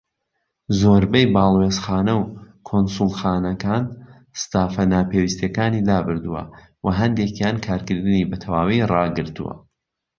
زۆربەی باڵوێزخانە و کونسوڵخانەکان ستافە ناپێوستیەکانی لابردووە، وە هەندێکیان کارکردنی بە تەواوی ڕاگرتووە.